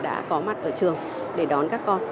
đã có mặt ở trường để đón các con